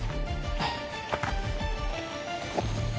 あっ！